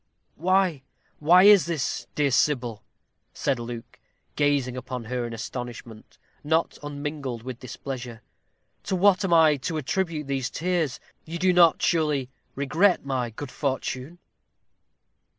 "Why why is this, dear Sybil?" said Luke, gazing upon her in astonishment, not unmingled with displeasure. "To what am I to attribute these tears? You do not, surely, regret my good fortune?"